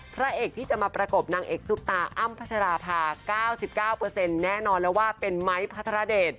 พระเอกที่จะมาประกบนางเอกซุปตาอ้ำพัชราภา๙๙แน่นอนแล้วว่าเป็นไม้พัทรเดช